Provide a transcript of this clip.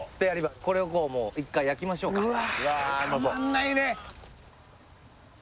これをもう一回焼きましょうかたまんないね！